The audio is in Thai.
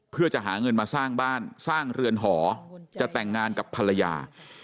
เพื่อจะหาเงินมาสร้างบ้านสร้างเรือนหอจะแต่งงานกับภรรยา